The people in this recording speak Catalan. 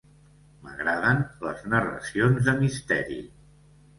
M'agraden les narracions de misteri.